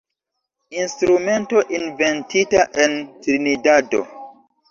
Instrumento inventita en Trinidado.